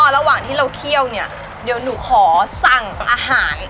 ระหว่างที่เราเคี่ยวเนี่ยเดี๋ยวหนูขอสั่งอาหาร